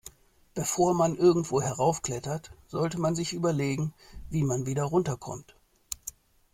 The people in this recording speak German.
Bevor man irgendwo heraufklettert, sollte man sich überlegen, wie man wieder runter kommt.